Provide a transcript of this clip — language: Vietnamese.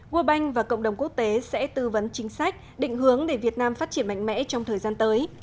world bank và cộng đồng quốc tế sẽ tư vấn chính sách định hướng để việt nam phát triển mạnh mẽ trong thời gian tới